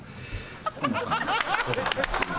ハハハハ！